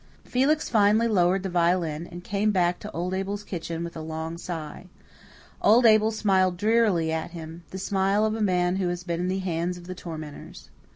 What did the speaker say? Felix finally lowered the violin, and came back to old Abel's kitchen with a long sigh. Old Abel smiled drearily at him the smile of a man who has been in the hands of the tormentors.